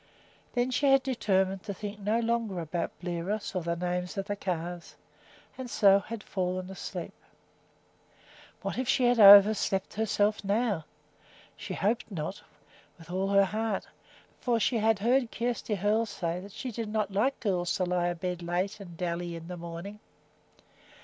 Then she had determined to think no longer about Bliros or the names of the calves, and so had fallen asleep. What if she had overslept herself now! She hoped not, with all her heart, for she had heard Kjersti Hoel say that she did not like girls to lie abed late and dally in the morning.